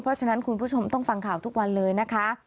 เพราะฉะนั้นคุณผู้ชมต้องฟังข่าวทุกวันเลยนะคะ